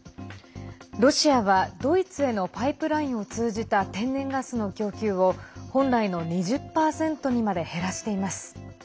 ロシアはドイツへのパイプラインを通じた天然ガスの供給を本来の２０％にまで減らしています。